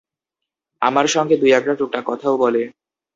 আমার সঙ্গে দুই-একটা টুকটাক কথাও বলে।